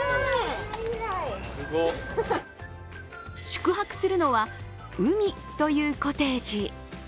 宿泊するのは「うみ」というコテージ。